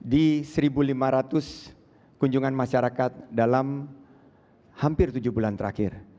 di satu lima ratus kunjungan masyarakat dalam hampir tujuh bulan terakhir